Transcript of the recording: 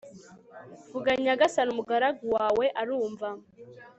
vuga, nyagasani, umugaragu wawe arumva